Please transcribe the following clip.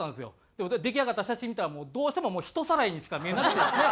でも出来上がった写真見たらどうしてももう人さらいにしか見えなくてですね。